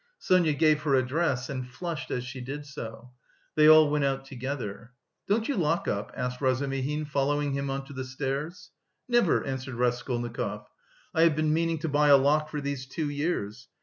Sonia gave her address, and flushed as she did so. They all went out together. "Don't you lock up?" asked Razumihin, following him on to the stairs. "Never," answered Raskolnikov. "I have been meaning to buy a lock for these two years.